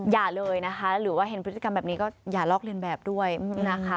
อย่าเลยนะคะหรือว่าเห็นพฤติกรรมแบบนี้ก็อย่าลอกเรียนแบบด้วยนะคะ